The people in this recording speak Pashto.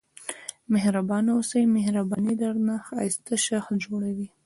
مهربانه واوسئ مهرباني درنه ښایسته شخص جوړوي.